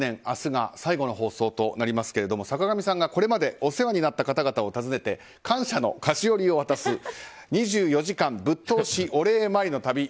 明日が最後の放送となりますけれども坂上さんがこれまでお世話になった方々を訪ねて感謝の菓子折りを渡す２４時間ぶっ通しお礼参りの旅。